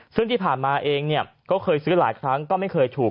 ซึ่งที่ผ่านมาเองเนี่ยก็เคยซื้อหลายครั้งก็ไม่เคยถูก